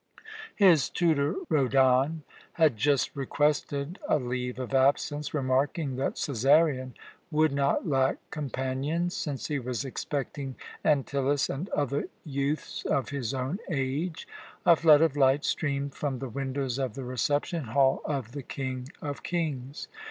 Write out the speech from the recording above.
His tutor Rhodon had just requested a leave of absence, remarking that Cæsarion would not lack companions, since he was expecting Antyllus and other youths of his own age. A flood of light streamed from the windows of the reception hall of the "King of kings."